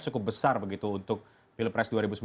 cukup besar begitu untuk pilpres dua ribu sembilan belas